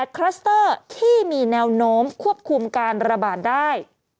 คลัสเตอร์ที่มีแนวโน้มควบคุมการระบาดได้